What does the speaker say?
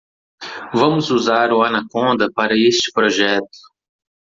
Vamos usar o Anaconda para este projeto.